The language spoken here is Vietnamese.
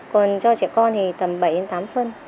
còn cho trẻ con thì tầm bảy đến tám phân